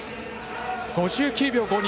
５９秒５２。